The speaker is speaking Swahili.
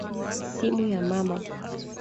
Simu ya mama.